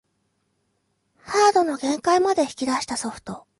ハードの限界まで引き出したソフト